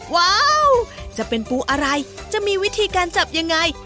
ว้าวจะเป็นปูอะไรจะมีวิธีการจับยังไง